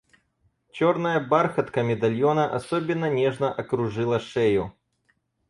Черная бархатка медальона особенно нежно окружила шею.